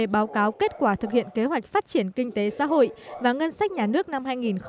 báo cáo kết quả thực hiện kế hoạch phát triển kinh tế xã hội và ngân sách nhà nước năm hai nghìn một mươi chín